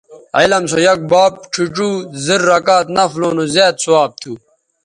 علم سویک باب ڇھیڇوزررکعت نفلوں نو زیات ثواب تھو